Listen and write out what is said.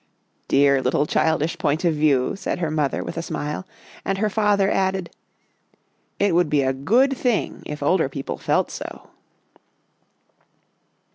" Dear little childish point of view," said her mother, with a smile, and her father added, " It would be a good thing if older people felt so."